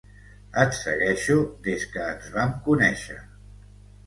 Et segueixo des que ens vam conèixer.